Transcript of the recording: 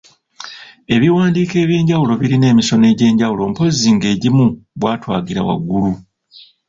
Ebiwandiiko eby’enjawulo birina emisono egy’enjawulo mpozzi ng’egimu bwa twagira waggulu.